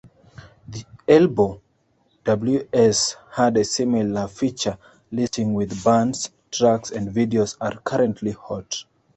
Elbo.ws had a similar feature listing which Bands, Tracks, and Videos are currently hot.